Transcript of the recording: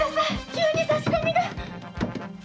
急に差し込みが。